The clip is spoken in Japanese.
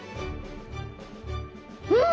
うん！